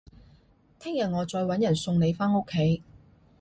聽日我再搵人送你返屋企